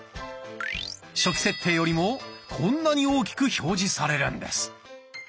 初期設定よりもこんなに大きく表示されるんです。